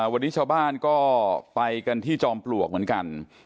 วันนี้ชาวบ้านก็ไปกันที่จอมปลวกเหมือนกัน